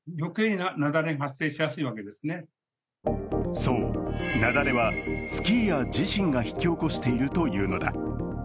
そう雪崩は、スキーヤー自身が引き起こしているというのだ。